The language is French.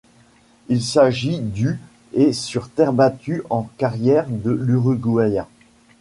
Il s'agit du et sur terre battue en carrière de l'Uruguayen.